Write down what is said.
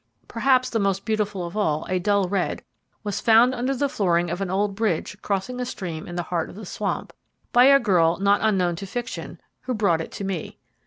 Perhaps the most beautiful of all, a dull red, was found under the flooring of an old bridge crossing a stream in the heart of the swamp, by a girl not unknown to fiction, who brought it to me.